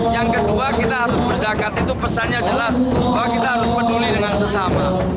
yang kedua kita harus berzakat itu pesannya jelas bahwa kita harus peduli dengan sesama